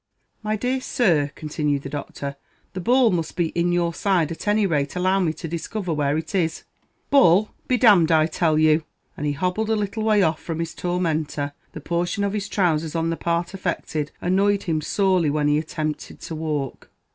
"My dear sir," continued the doctor, "the ball must be in your side; at any rate allow me to discover where it is." "Ball be d d, I tell you!" and he hobbled a little way off from his tormentor; the portion of his trousers on the part affected annoyed him sorely when he attempted to walk.